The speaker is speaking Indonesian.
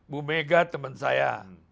bumega teman saya